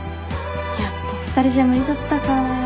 やっぱ２人じゃ無理だったかぁ。